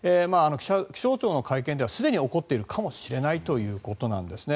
気象庁の会見ではすでに起こっているかもしれないということなんですね。